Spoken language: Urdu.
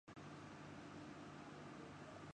سے سرینگر ہائی وے کو راولپنڈی اور اسلام آباد